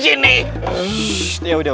udah ketahuan jatuh disini